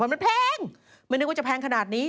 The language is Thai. มันแพงไม่นึกว่าจะแพงขนาดนี้